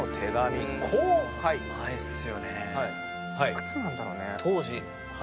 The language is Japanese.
幾つなんだろうね？